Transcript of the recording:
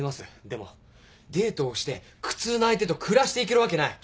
でもデートをして苦痛な相手と暮らしていけるわけない。